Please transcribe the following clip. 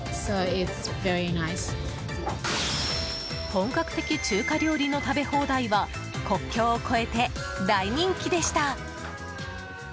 本格的中華料理の食べ放題は国境を越えて大人気でした。